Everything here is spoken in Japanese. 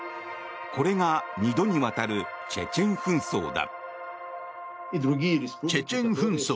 これが２度にわたるチェチェン紛争だ。